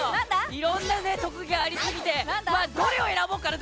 いろんな特技がありすぎてどれを選ぼうかな！